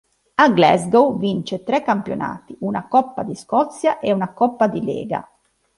A Glasgow vince tre campionati, una Coppa di Scozia e una Coppa di Lega.